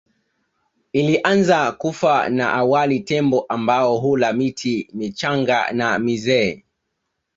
Ilianza kufa na awali Tembo ambao hula miti michanga na mizee